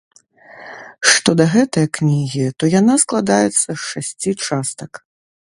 Што да гэтае кнігі, то яна складаецца з шасці частак.